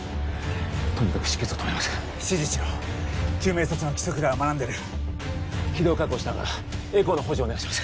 とにかく出血を止めます指示しろ救命措置の基礎くらいは学んでる気道確保しながらエコーの補助をお願いします